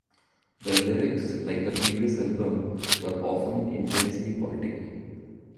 The lyrics, like the previous album, were often intensely political.